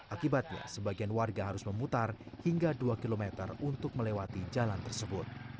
akibatnya sebagian warga harus memutar hingga dua km untuk melewati jalan tersebut